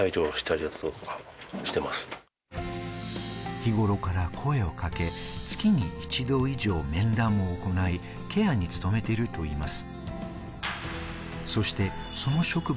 日頃から声をかけ、月に一度以上、面談を行い、ケアに努めているといいます。